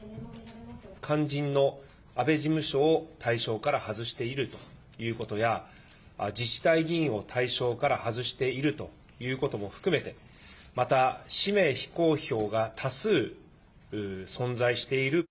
肝心の安倍事務所を対象から外しているということや、自治体議員を対象から外しているということも含めて、また氏名非公表が多数存在している。